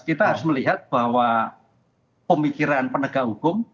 kita harus melihat bahwa pemikiran penegak hukum